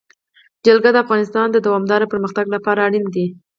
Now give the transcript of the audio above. جلګه د افغانستان د دوامداره پرمختګ لپاره اړین دي.